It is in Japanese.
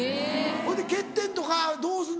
ほいで欠点とかどうすんの？